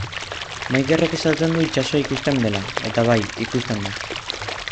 Maiderrek esaten du itsasoa ikusten dela, eta bai, ikusten da.